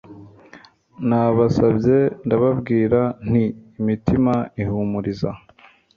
Nabasabye ndababwira nti Imitima ihumuriza